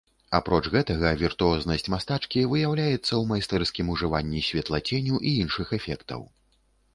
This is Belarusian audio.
Апроч гэтага, віртуознасць мастачкі выяўляецца ў майстэрскім ужыванні святлаценю і іншых эфектаў.